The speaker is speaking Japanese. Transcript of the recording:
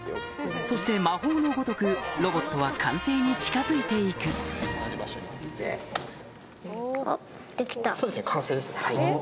そして魔法のごとくロボットは完成に近づいて行くそうですね。